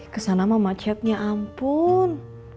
ke sana ma cepnya ampun